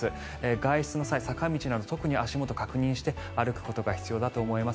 外出の際、坂道など特に足元を確認して歩くことが必要だと思います。